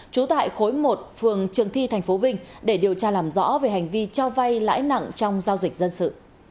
trú tại khối một phường trường thi tp vinh để điều tra làm rõ về hành vi cho vay lãi nặng trong giao dịch dân sự